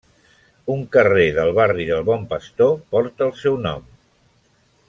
Un carrer del barri del Bon Pastor porta el seu nom.